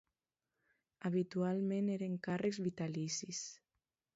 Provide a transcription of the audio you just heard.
Habitualment eren càrrecs vitalicis.